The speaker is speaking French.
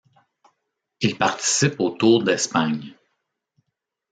Il participe au Tour d'Espagne.